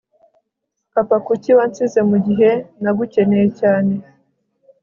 papa, kuki wansize mu gihe nagukeneye cyane